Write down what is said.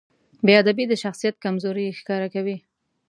بېادبي د شخصیت کمزوري ښکاره کوي.